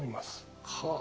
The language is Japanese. はあ。